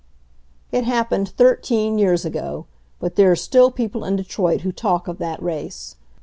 It happened thirteen years ago, but there are still people in Detroit who talk of that race.